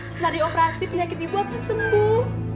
setelah dioperasi penyakit ibu akan sembuh